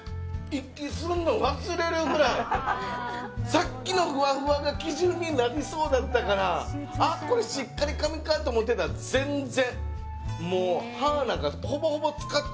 さっきのふわふわが基準になりそうだったからしっかりかみかと思ってたら全然！